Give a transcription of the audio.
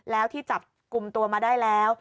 แล้วที่จับกลุ่มตัวมาได้แล้ว